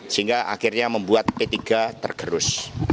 sehingga akhirnya membuat p tiga tergerus